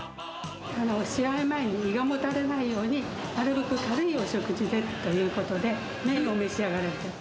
試合前に胃がもたれないように、なるべく軽いお食事でということで、麺を召し上がられた。